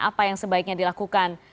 apa yang sebaiknya dilakukan